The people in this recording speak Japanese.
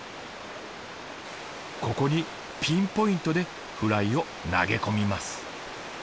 ここにピンポイントでフライを投げ込みます。